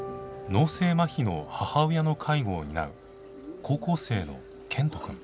脳性まひの母親の介護を担う高校生の健人くん。